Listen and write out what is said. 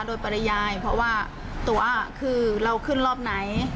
โดยปริยายเพราะว่าตัวคือเราขึ้นรอบไหน